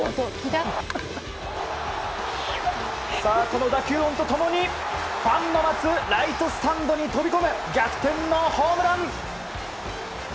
この打球音と共にファンの待つライトスタンドに飛び込む逆転のホームラン！